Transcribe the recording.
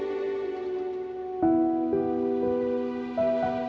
kenapa aku nggak bisa dapetin kebahagiaan aku